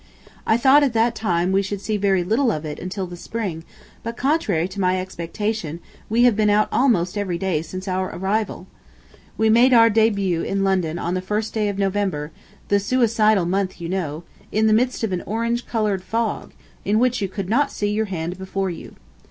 I thought at that time that we should see very little of it until the spring, but contrary to my expectation we have been out almost every day since our arrival. We made our début in London on the first day of November (the suicidal month you know) in the midst of an orange colored fog, in which you could not see your hand before you.